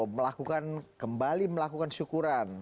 melakukan kembali melakukan syukuran